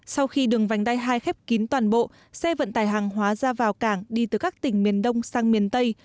sau khi đường vành đai hai khép kín toàn bộ xe vận tải hàng hóa ra vào cảng đi từ các tỉnh miền đông sang miền tây